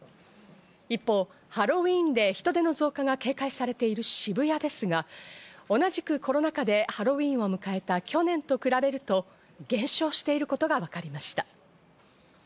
一方、ハロウィーンで人出の増加が警戒されている渋谷ですが、同じくコロナ禍でハロウィーンを迎えた去年と比べると減少していることがわかりました。